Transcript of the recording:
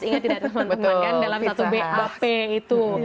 ingat tidak ada teman teman kan dalam satu bap itu